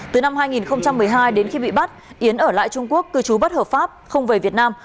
từ năm hai nghìn một mươi hai đến khi bị bắt yến ở lại trung quốc cư trú bất hợp pháp không về việt nam